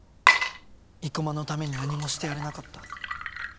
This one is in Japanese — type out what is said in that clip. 生駒のために何もしてやれなかった